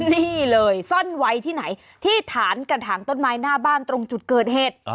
นี่เลยซ่อนไว้ที่ไหนที่ฐานกระถางต้นไม้หน้าบ้านตรงจุดเกิดเหตุ